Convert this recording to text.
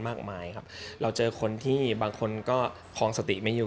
เยอะครับส่วนใหญ่เข้ามาเล่นหวก็มีบางคนถอดหมวกตบหวยังมีเลย